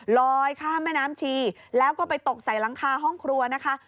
ลอยข้ามแม่น้ำชีแล้วก็ไปตกใส่หลังคาห้องครัวนะคะ